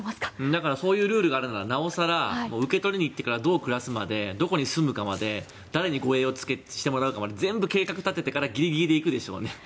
だからそういうルールがあるならなおさら受け取りに行ってからどう暮らすまでどこに住むか誰に護衛をしてもらうかまで全部計画を立ててからギリギリで行くでしょうね。